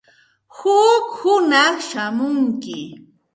Huk hunaq shamunki.